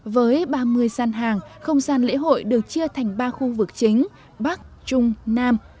với ba mươi gian hàng không gian lễ hội được chia thành ba khu vực chính bắc trung nam